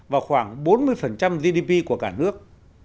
và khoảng bốn mươi gdp của cả nước